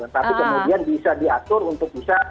tapi kemudian bisa diatur untuk bisa